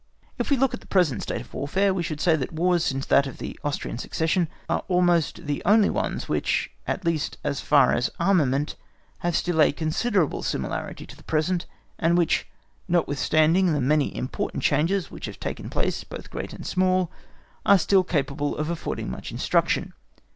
If we look at the present state of warfare, we should say that the Wars since that of the Austrian succession are almost the only ones which, at least as far as armament, have still a considerable similarity to the present, and which, notwithstanding the many important changes which have taken place both great and small, are still capable of affording much instruction.